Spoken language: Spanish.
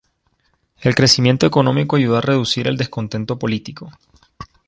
El crecimiento económico ayudó a reducir el descontento político.